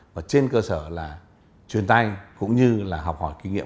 và trên cơ sở là truyền tay cũng như là học hỏi kinh nghiệm